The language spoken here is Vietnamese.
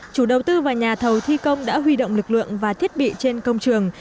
chủ đầu tư và nhà thầu thi công đã huy động lực lượng và thiết bị trên công trường